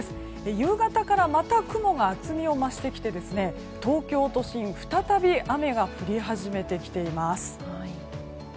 夕方からまた雲が厚みを増してきて東京都心再び雨が降り始めています。